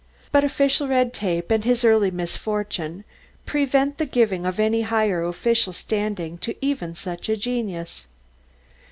But official red tape, and his early misfortune... prevent the giving of any higher official standing to even such a genius.